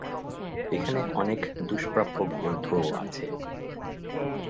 এখানে অনেক দুষ্প্রাপ্য গ্রন্থও আছে।